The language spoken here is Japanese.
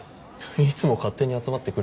いつも勝手に集まってくるじゃん。